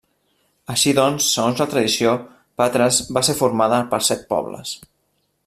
Així doncs, segons la tradició, Patres va ser formada per set pobles.